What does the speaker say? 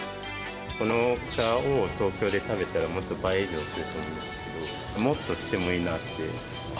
この大きさを東京で食べたら、もっと倍以上の値段すると思うんですけど、もっとしてもいいなっ